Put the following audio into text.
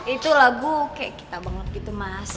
itu lagu kayak kita banget gitu mas